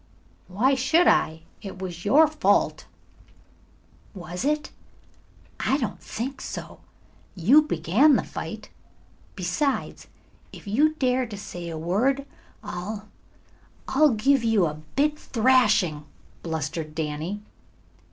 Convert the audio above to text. "Why should I? It was your fault." "Was it? I don't think so. You began the fight. Besides, if you dare to say a word, I'll I'll give you a big thrashing!" blustered Danny.